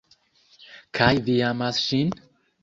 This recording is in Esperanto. Kaj vi amas ŝin?